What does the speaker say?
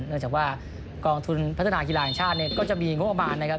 เนื่องจากว่ากองทุนพัฒนากีฬาแห่งชาติเนี่ยก็จะมีงบประมาณนะครับ